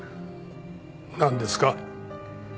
なんですか？